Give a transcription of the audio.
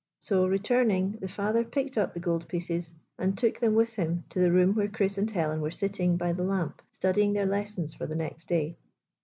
So, re turning, the father picked up the goldpieces and took them with him to the room where Chris and Helen were sitting by the lamp, study ing their lessons for the next day.